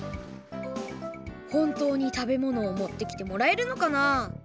ほんとうに食べ物を持ってきてもらえるのかな？